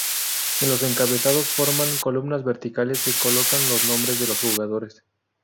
En los encabezados, formando columnas verticales, se colocan los nombres de los jugadores.